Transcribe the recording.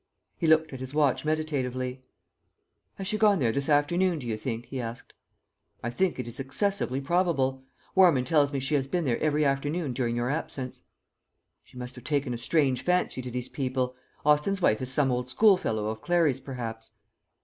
He looked at his watch meditatively. "Has she gone there this afternoon, do you think?" he asked. "I think it is excessively probable. Warman tells me she has been there every afternoon during your absence." "She must have taken a strange fancy to these people. Austin's wife is some old schoolfellow of Clary's perhaps."